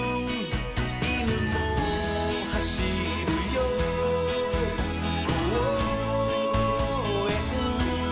「いぬもはしるよこうえん」